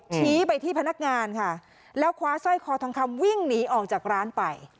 ชี้ไปที่พนักงานค่ะแล้วคว้าสร้อยคอทองคำวิ่งหนีออกจากร้านไป